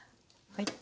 はい。